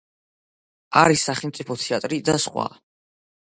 არის სახელმწიფო თეატრი და სხვა.